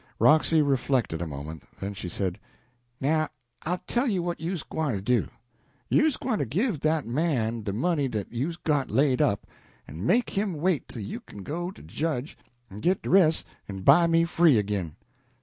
Roxy reflected a moment, then she said "Now I'll tell you what you's gwine to do. You's gwine to give dat man de money dat you's got laid up, en make him wait till you kin go to de Judge en git de res' en buy me free agin."